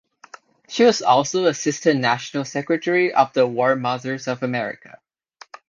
She was also assistant national secretary of the War Mothers of America.